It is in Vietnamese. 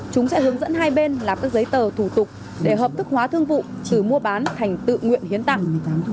chúng sẽ hướng dẫn hai bên làm các giấy tờ thủ tục để hợp thức hóa thương vụ trừ mua bán thành tự nguyện hiến tằng